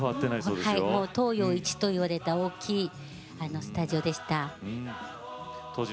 東洋一と言われた大きなスタジオでした。